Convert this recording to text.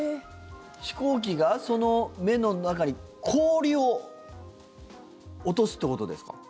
飛行機がその目の中に氷を落とすということですか？